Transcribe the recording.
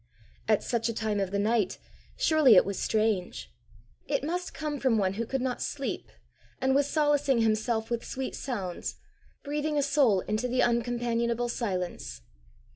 At such a time of the night surely it was strange! It must come from one who could not sleep, and was solacing himself with sweet sounds, breathing a soul into the uncompanionable silence!